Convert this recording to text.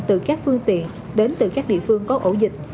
từ các phương tiện đến từ các địa phương có ổ dịch